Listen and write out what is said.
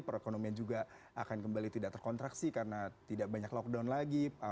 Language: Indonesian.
perekonomian juga akan kembali tidak terkontraksi karena tidak banyak lockdown lagi